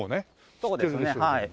そうですねはい。